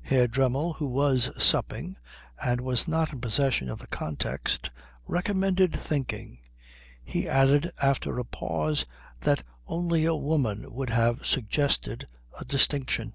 Herr Dremmel, who was supping, and was not in possession of the context, recommended thinking. He added after a pause that only a woman would have suggested a distinction.